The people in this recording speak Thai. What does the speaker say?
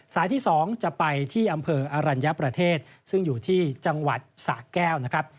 ที่๒จะไปที่อำเภออรัญญประเทศซึ่งอยู่ที่จังหวัดสะแก้วนะครับ